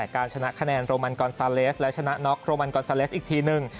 การชนะคะแนนโรมันกอนซาเลสและชนะน็อกโรมันกอนซาเลสอีกทีหนึ่ง